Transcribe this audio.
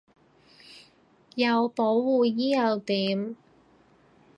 有保護衣又點